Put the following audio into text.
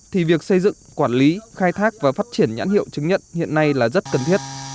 thì việc xây dựng quản lý khai thác và phát triển nhãn hiệu chứng nhận hiện nay là rất cần thiết